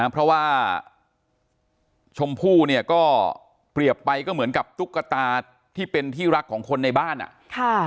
เพราะว่าชมพู่เนี่ยก็เปรียบไปก็เหมือนกับตุ๊กตาที่เป็นที่รักของคนในบ้านอ่ะค่ะ